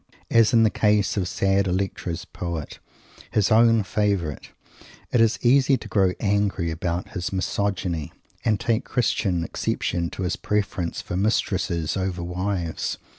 As in the case of "sad Electra's poet," his own favorite, it is easy to grow angry about his "Misogyny" and take Christian exception to his preference for mistresses over wives.